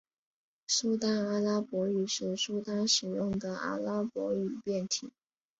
苏丹阿拉伯语是苏丹使用的阿拉伯语变体。